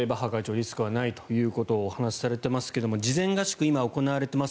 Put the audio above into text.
リスクはないということをお話しされていますが事前合宿、今行われています。